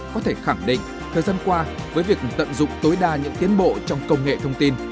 có thể khẳng định thời gian qua với việc tận dụng tối đa những tiến bộ trong công nghệ thông tin